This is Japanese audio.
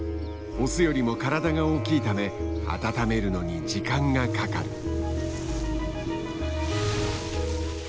オスよりも体が大きいため温めるのに時間がかかる。